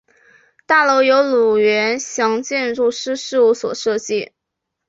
大楼由吕元祥建筑师事务所设计。